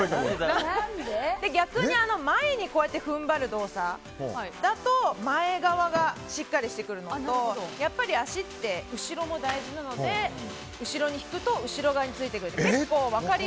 逆に前に踏んばる動作だと前側がしっかりしてくるのとやっぱり足って後ろも大事なので後ろに引くと後ろ側についてくる。